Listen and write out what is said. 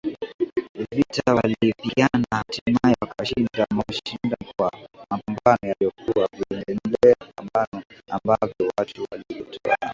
vita waliyipigana hatimaye wakashinda wamaeshinda kwa mapambano yaliyokuwa yakiendelea mapambano ambayo watu tulijitoa ambayo